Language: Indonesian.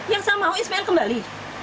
yang saya mau ispl kembali